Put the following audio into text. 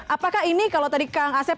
apakah ini kalau tadi kang asep